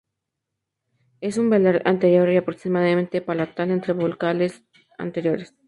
Es una velar anterior o aproximante palatal entre vocales anteriores.